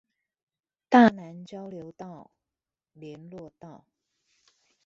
大湳交流道聯絡道